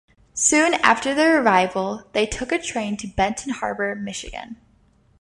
Soon after their arrival, they took a train to Benton Harbor, Michigan.